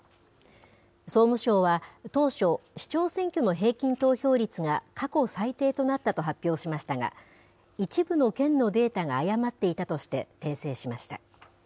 総務省は当初、市長選挙の平均投票率が過去最低となったと発表しましたが、一部の県のデータが誤っていたとして訂正しました。